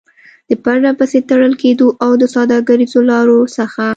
د پرلپسې تړل کېدو او د سوداګريزو لارو څخه